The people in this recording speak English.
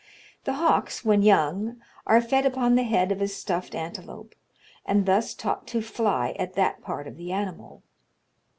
The hawks when young are fed upon the head of a stuffed antelope, and thus taught to fly at that part of the animal.